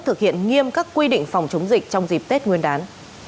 thực hiện nghiêm các quy định phòng chống dịch trong dịp tết nguyên đán